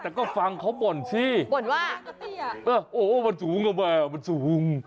แต่ก็ฟังเขาบ่นสิบ่นว่าโอ้โหมันสูงกว่ามันสูง